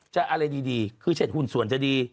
อะไรดีคือเช็ดหุ่นส่วนจะดี